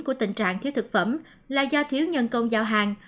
của tình trạng thiếu thực phẩm là do thiếu nhân công giao hàng